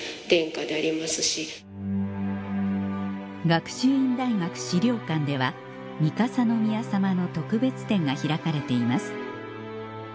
学習院大学史料館では三笠宮さまの特別展が開かれています